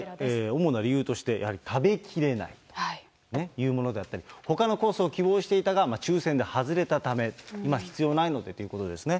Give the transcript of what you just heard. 主な理由として、やはり食べきれないというものであったり、ほかのコースを希望していたが、抽せんで外れたため、必要ないのでということですね。